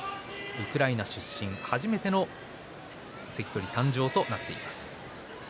ウクライナ出身で初めての関取誕生となっています。